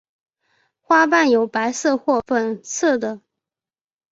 花瓣有白色或粉色的。